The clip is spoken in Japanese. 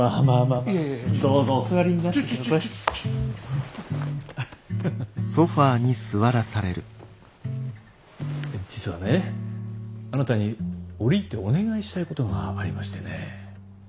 あなたに折り入ってお願いしたいことがありましてね。